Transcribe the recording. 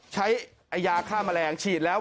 ใช้ยาฆ่าแมลงฉีดแล้ว